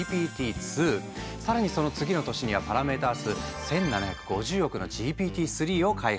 さらにその次の年にはパラメータ数１７５０億のＧＰＴ−３を開発。